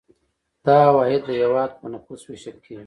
دا عواید د هیواد په نفوس ویشل کیږي.